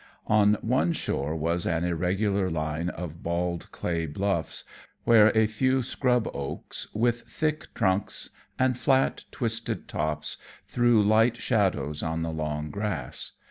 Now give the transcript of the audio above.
On one shore was an irregular line of bald clay bluffs where a few scrub oaks with thick trunks and flat, twisted tops threw light shadows on the long grass.